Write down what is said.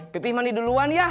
pipi mandi duluan ya